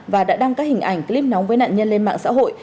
và đã đăng các hình ảnh clip nóng với nạn nhân lên mạng xã hội